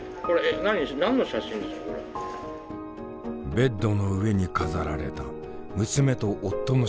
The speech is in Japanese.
ベッドの上に飾られた娘と夫の写真。